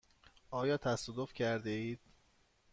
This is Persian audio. آیا تصادف کرده اید؟